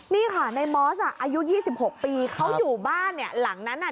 นี่ค่ะในมอสอายุ๒๖ปีเขาอยู่บ้านหลังนั้น